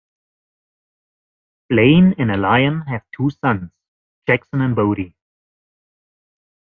Blaine and Aliane have two sons, Jackson and Bodhi.